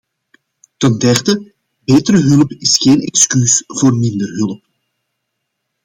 Ten derde, betere hulp is geen excuus voor minder hulp.